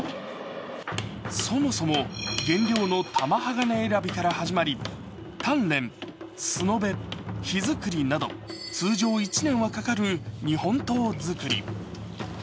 そもそも原料の玉鋼選びから始まり鍛練、素延べ、火造りなど通常１年はかかる日本刀造り。